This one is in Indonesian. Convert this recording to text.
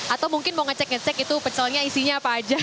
atau mungkin mau ngecek ngecek itu pecelnya isinya apa aja